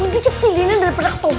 perasaan lebih kecil ini daripada ketombe